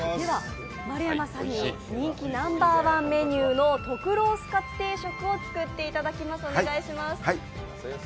丸山さんに人気ナンバーワンメニューの特ロースかつ定食を作っていただきます。